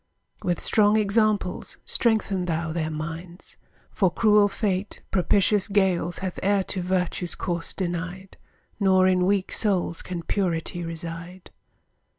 With strong examples strengthen thou their minds; For cruel fate propitious gales Hath e'er to virtue's course denied, Nor in weak souls can purity reside.